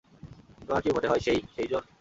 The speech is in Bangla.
তোমার কি মনে হয় সে-ই, সেইজন?